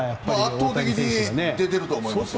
圧倒的に出ていると思います。